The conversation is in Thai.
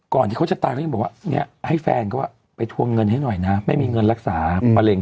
ที่เขาจะตายก็ยังบอกว่าเนี่ยให้แฟนเขาไปทวงเงินให้หน่อยนะไม่มีเงินรักษามะเร็ง